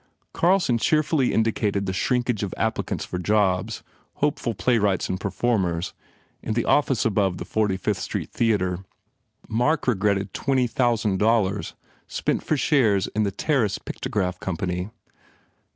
Carlson cheerfully indicated the shrinkage of applicants for jobs, hopeful playwrights and performers in the ore above the 45th Street Theatre. Mark rcrrt ei twenty thousand dollars spent for shares in the Terriss Pktograph Company.